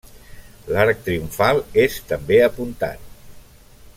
L'arc triomfal és també apuntat.